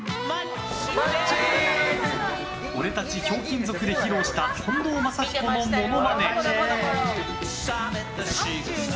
「オレたちひょうきん族」で披露した近藤真彦のモノマネ。